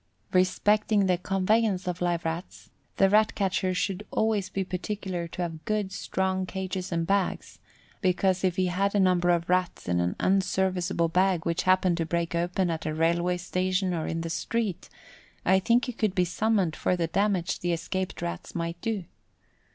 Respecting the conveyance of live Rats, the Rat catcher should always be particular to have good strong cages and bags, because if he had a number of Rats in an unserviceable bag which happened to break open at a railway station or in the street, I think he could be summoned for the damage the escaped Rats might do.